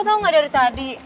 tau gak dari tadi